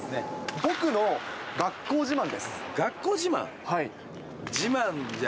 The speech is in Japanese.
僕の学校自慢です。